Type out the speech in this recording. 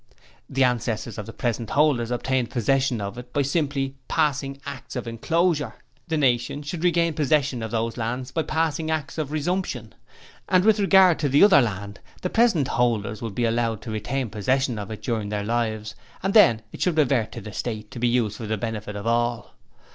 The ancestors of the present holders obtained possession of it by simply passing Acts of Enclosure: the nation should regain possession of those lands by passing Acts of Resumption. And with regard to the other land, the present holders should be allowed to retain possession of it during their lives and then it should revert to the State, to be used for the benefit of all.